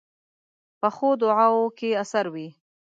پخو دعاوو کې اثر وي